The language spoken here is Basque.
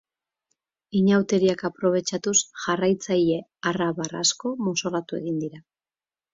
Inauteriak aprobetxatuz jarraitzaile arrabar asko mozorrotu egin dira.